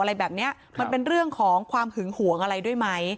ไม่เกี่ยวว่าเราแบบว่า